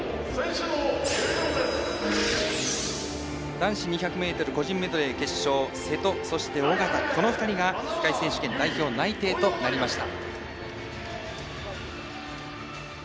男子２００ｍ個人メドレー決勝瀬戸、そして小方、この２人が世界選手権代表内定となりました。